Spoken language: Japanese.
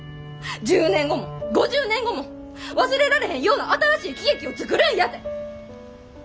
１０年後も５０年後も忘れられへんような新しい喜劇を作るんやて。